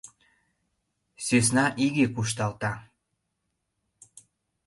Сӧсна иге кушталта...